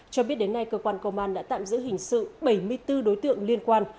cho biết đến nay cơ quan công an đã tạm giữ hình sự bảy mươi bốn đối tượng liên quan